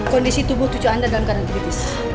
kondisi tubuh tujuh anda dalam karantipitis